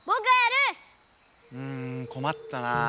うんこまったなぁ。